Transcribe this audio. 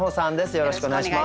よろしくお願いします。